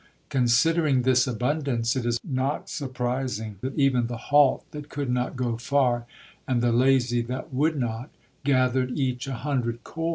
Considering this abundance, it is not surprising that even the halt that could not go far, and the lazy the would not, gathered each a hundred kor.